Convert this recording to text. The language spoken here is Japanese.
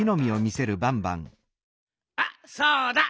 あっそうだ！